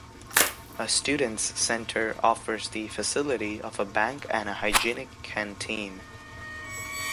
A Students' Centre offers the facility of a bank and a hygienic canteen.